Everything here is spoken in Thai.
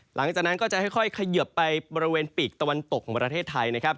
หลังจากนั้นก็จะค่อยเขยิบไปบริเวณปีกตะวันตกของประเทศไทยนะครับ